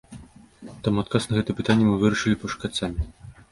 Таму адказ на гэтае пытанне мы вырашылі пашукаць самі.